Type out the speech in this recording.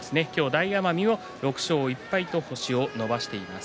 大奄美６勝１敗と星を伸ばしています。